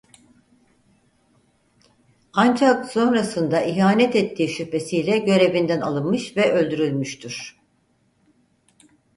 Ancak sonrasında ihanet ettiği şüphesiyle görevinden alınmış ve öldürülmüştür.